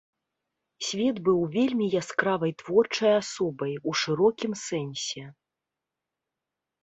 Свет быў вельмі яскравай творчай асобай, у шырокім сэнсе.